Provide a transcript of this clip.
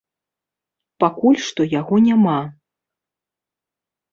Пакуль што яго няма.